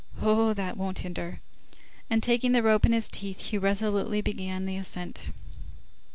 Oh, that won't hinder." And taking the rope in his teeth, he resolutely began the ascent.